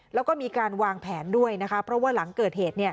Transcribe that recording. แล้วก็มีการวางแผนด้วยนะคะเพราะว่าหลังเกิดเหตุ